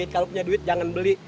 kalau punya duit jangan beli